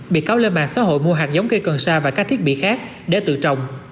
bị cáo lên mạng xã hội mua hạt giống cây cần sa và các thiết bị khác để tự trồng